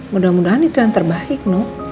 mudah mudahan itu yang terbaik no